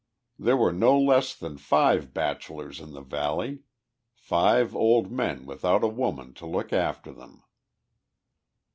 There were no less than five bachelors in the valley five old men without a woman to look after them.